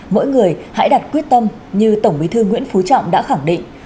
mỗi người hãy đặt quyết tâm như tổng bí thư nguyễn phú trọng đã khẳng định